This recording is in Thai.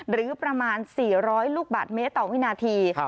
หรือประมาณ๔๐๐ลูกบาทเมตรต่อวินาที